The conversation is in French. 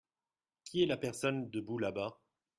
Qui est la personne debout là-bas ?